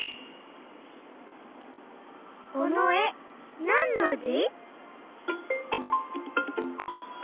このえなんのじ？